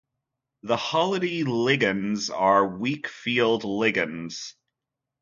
The halide ligands are weak field ligands.